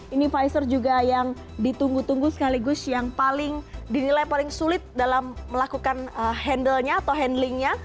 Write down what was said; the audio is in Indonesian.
ini pfizer juga yang ditunggu tunggu sekaligus yang paling dinilai paling sulit dalam melakukan handle nya atau handlingnya